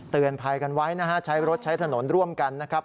เตือนภัยกันไว้นะฮะใช้รถใช้ถนนร่วมกันนะครับ